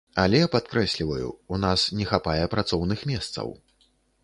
Але, падкрэсліваю, у нас не хапае працоўных месцаў.